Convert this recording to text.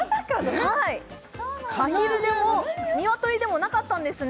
はいアヒルでもニワトリでもなかったんですね